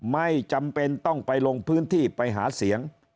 ไม่จำเป็นต้องไปลงพื้นที่ไปหาเสียง